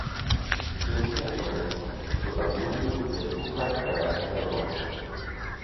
Všeč mi je to mesto, toda v juliju je tukaj preveč prevroče.